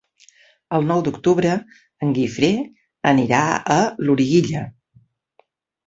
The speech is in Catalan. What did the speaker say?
El nou d'octubre en Guifré anirà a Loriguilla.